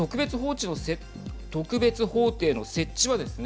特別法廷の設置はですね